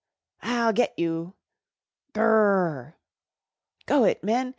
"I'll get you!" "Gr r r r r!" "Go it, men!